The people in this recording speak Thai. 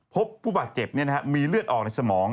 พบผู้บาดเจ็บมีเลือดออกในสมอง